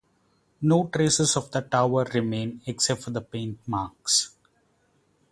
No traces of the tower remain except for paint marks.